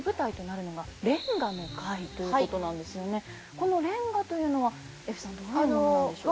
この連歌というのはゑふさんどういうものなんでしょう？